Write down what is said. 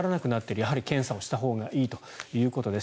やはり検査をしたほうがいいということです。